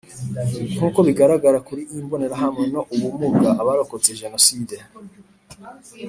Nk uko bigaragara kuri iyi mbonerahamwe no ubumuga Abarokotse Jenoside